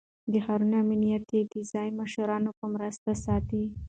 د ښارونو امنيت يې د ځايي مشرانو په مرسته ساته.